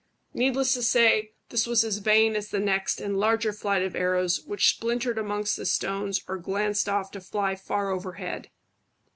Needless to say, this was as vain as the next and larger flight of arrows, which splintered amongst the stones or glanced off to fly far overhead.